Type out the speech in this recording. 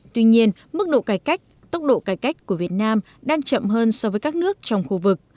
tuy nhiên mức độ cải cách tốc độ cải cách của việt nam đang chậm hơn so với các nước trong khu vực